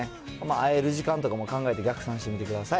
あえる時間とかも考えて、逆算してみてください。